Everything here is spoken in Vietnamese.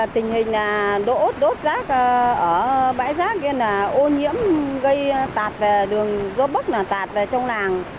tình hình đốt giáp ở bãi giáp kia là ô nhiễm gây tạt về đường gió bắc tạt về trong làng